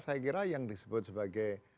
saya kira yang disebut sebagai